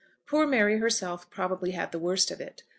Poor Mary herself probably had the worst of it.